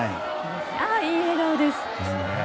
ああ、いい笑顔です。